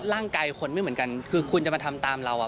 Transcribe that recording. ร่างกายคนไม่เหมือนกันคือคุณจะมาทำตามเราอ่ะ